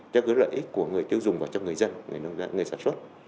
theo cái lợi ích của người tiêu dùng và cho người dân người sản xuất